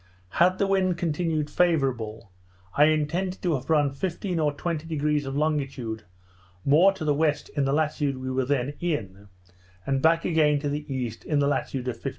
Had the wind continued favourable, I intended to have run 15 or 20 degrees of longitude more to the west in the latitude we were then in, and back again to the east in the latitude of 50°.